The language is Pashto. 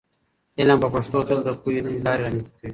علم په پښتو تل د پوهې نوې لارې رامنځته کوي.